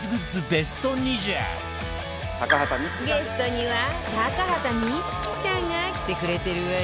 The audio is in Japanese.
ゲストには高畑充希ちゃんが来てくれてるわよ